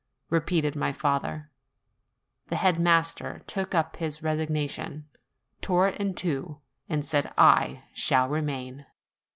repeated my father. The head master took up his resignation, tore it in two, and said, "I shall remain."